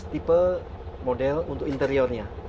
tipe model untuk interiornya